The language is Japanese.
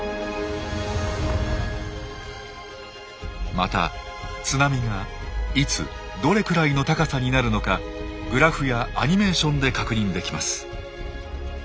また津波がいつどれくらいの高さになるのかグラフやアニメーションで確認できます。